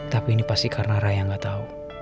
tapi ini pasti karena raya gak tahu